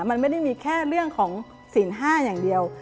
มันไม่ได้มีแค่เรื่องของศีล๕อย่างเดียว